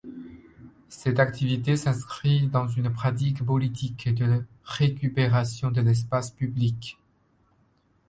Cette activité s'inscrit dans une pratique politique de récupération de l'espace publique.